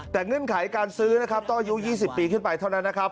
แต่เงินขายการซื้อต้อยุ่๒๐ปีขึ้นไปเท่านั้นนะครับ